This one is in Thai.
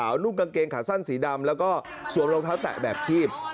นุ่งกางเกงขาสั้นสีดำแล้วก็สวมรองเท้าแตะแบบคีบ